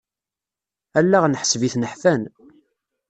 Allaɣen ḥseb-iten ḥfan.